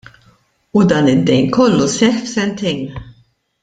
U dan id-dejn kollu seħħ f'sentejn.